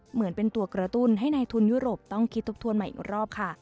เหมือนเป็นตัวกระตุ้นให้ในทุนยุโรปต้องคิดทบทวนใหม่อีกรอบค่ะ